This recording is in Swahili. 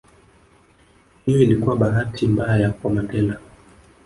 Hiyo ilikuwa bahati mbaya kwa Mandela